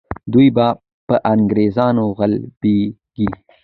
دوی به پر انګریزانو غالبیږي.